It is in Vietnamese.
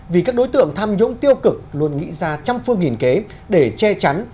vì các đối tượng tham nhũng tiêu cực luôn nghĩ ra trăm phương hình kế để che chắn